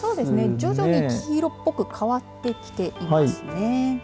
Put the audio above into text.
徐々に黄色っぽくかわってきていますね。